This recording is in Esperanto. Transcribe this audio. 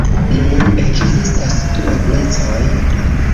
Nun ekzistas du eblecoj.